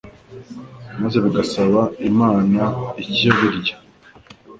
maze bigasaba Imana icyo birya